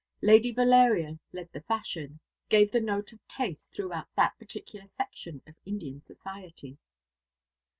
Lady Valeria led the fashion, gave the note of taste throughout that particular section of Indian society.